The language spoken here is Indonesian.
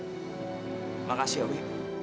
terima kasih wi